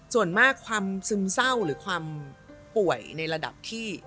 ส่วนมากความซึมเศร้าหรือความป่วยในระดับที่